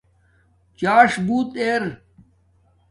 ژاݽ بوت ار